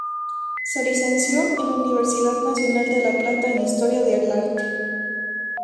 Se licenció en la Universidad Nacional de La Plata en Historia del Arte.